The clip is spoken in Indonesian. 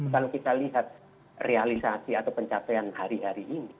kalau kita lihat realisasi atau pencapaian hari hari ini